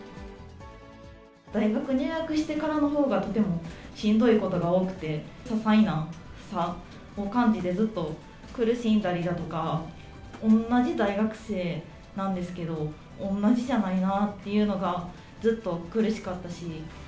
大学入学してからのほうが、とてもしんどいことが多くて、些細な差を感じて、ずっと苦しんだりだとか、おんなじ大学生なんですけど、同じじゃないなっていうのが、ずっと苦しかったし。